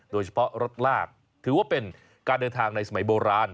โดยเฉพาะรถลากถือว่าเป็นการเดินทางในสมัยโบราณ